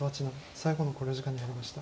最後の考慮時間に入りました。